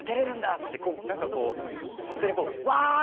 っつって何かこうホントにこうワーッ！